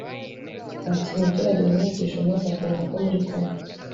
Ati “Umuturage uramwigisha uyu munsi akakwereka ko muri kumwe